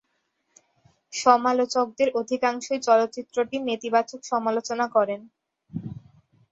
সমালোচকদের অধিকাংশই চলচ্চিত্রটির নেতিবাচক সমালোচনা করেন।